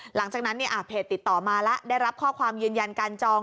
หลังจากนั้นเพจติดต่อมาแล้วได้รับข้อความยืนยันการจอง